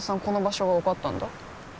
この場所がわかったんだ？